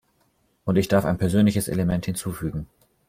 Und ich darf ein persönliches Element hinzufügen.